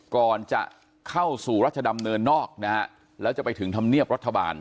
ก่อนจะเข้าสู่รัชดำเนินนอกนะฮะแล้วจะไปถึงธรรมเนียบรัฐบาล